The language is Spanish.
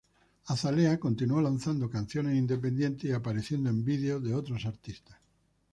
Azalea continuó lanzando canciones independientes y apareciendo en vídeos de otros artistas.